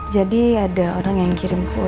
jadi ada orang yang kirim kue ke rumah